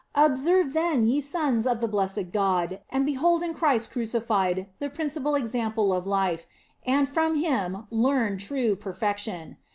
Observe, then, ye sons of the blessed God, and behold in Christ crucified the principal example of life, and from Him learn true perfection.